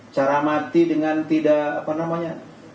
cara mati dengan tidak apa namanya